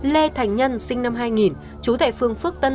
lê thành nhân sinh năm hai nghìn trú tại phương phước tân